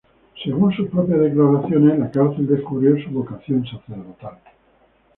Según sus propias declaraciones, en la cárcel descubrió su vocación sacerdotal.